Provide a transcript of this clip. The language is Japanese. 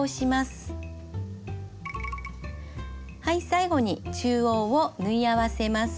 最後に中央を縫い合わせます。